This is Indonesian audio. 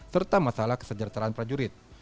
serta masalah kesejahteraan prajurit